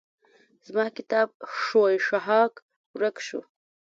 زما کتاب ښوی ښهاک ورک شو.